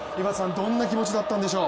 どんな気持ちだったんでしょう。